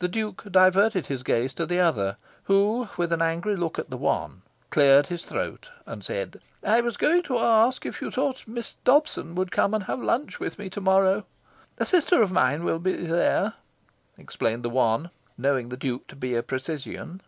The Duke diverted his gaze to the other, who, with an angry look at the one, cleared his throat, and said "I was going to ask if you thought Miss Dobson would come and have luncheon with me to morrow?" "A sister of mine will be there," explained the one, knowing the Duke to be a precisian.